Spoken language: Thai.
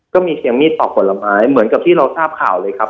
ก็มีเพียงมีดปอกผลไม้เหมือนกับที่เราทราบข่าวเลยครับ